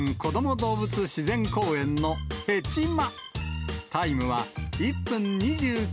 動物自然公園のヘチマ。